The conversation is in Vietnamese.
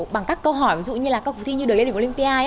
bằng các câu hỏi ví dụ như là các cuộc thi như đời lên đường olympia